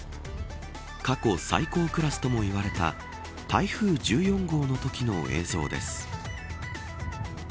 過去最高クラスとも言われた台風１４号のときの映像です。